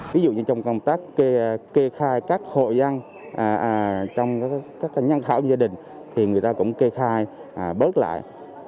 ví dụ như trong công tác kê khai các hội dân trong các nhân khảo gia đình thì người ta cũng kê khai bớt lại